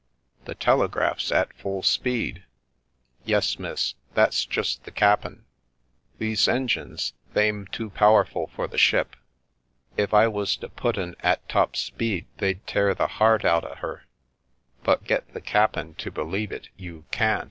The telegraph's at full speed!" "Yes, miss, that's just the cap'en. These engines, they*m too powerful for the ship. If I was to put 'en at top speed they'd tear the heart out o' her, but get the cap'en to believe it you can't.